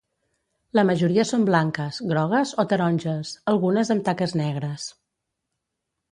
La majoria són blanques, grogues o taronges, algunes amb taques negres.